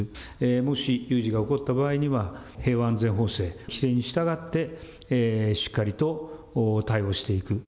もし有事が起こった場合には、平和安全法制、規制に従って、しっかりと対応していく。